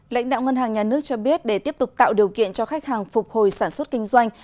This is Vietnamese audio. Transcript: lãnh đạo ngân hàng nhà nước cho biết để tiếp tục tạo điều kiện cho khách hàng phục hồi sản xuất kinh doanh